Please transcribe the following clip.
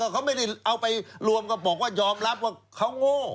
เขาไม่ได้เอาไปรวมกับบอกว่ายอมรับว่าเขาโง่